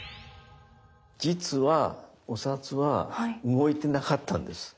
実はお札は動いてなかったんです。